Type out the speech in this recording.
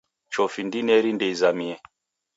Chofi ndineri ndeizamie.